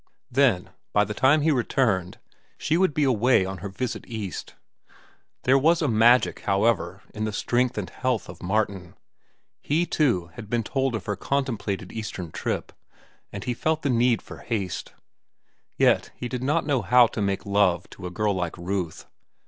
Then, by the time he returned, she would be away on her visit East. There was a magic, however, in the strength and health of Martin. He, too, had been told of her contemplated Eastern trip, and he felt the need for haste. Yet he did not know how to make love to a girl like Ruth.